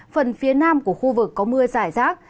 phần phía nam của khu vực có mưa giải rác